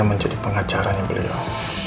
saya menjadi pengacaranya beliau